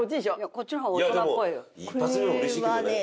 こっちの方が大人っぽいよ。